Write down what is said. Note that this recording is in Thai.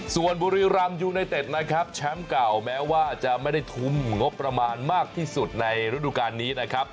ส่วนบุรีรำยูไนเต็ดนะครับแชมป์เก่าแม้ว่าจะไม่ได้ทุ่มงบประมาณมากที่สุดในฤดูการนี้นะครับ